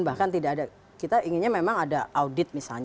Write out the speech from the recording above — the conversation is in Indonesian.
bahkan tidak ada kita inginnya memang ada audit misalnya